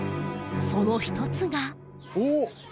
その一つがおお！